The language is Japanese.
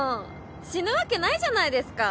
死ぬわけないじゃないですか。